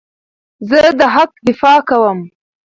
زه د حق دفاع کوم.